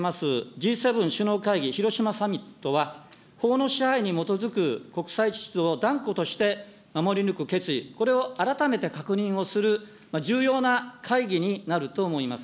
Ｇ７首脳会議、広島サミットは、法の支配に基づく国際秩序を断固として守り抜く決意、これを改めて確認をする重要な会議になると思います。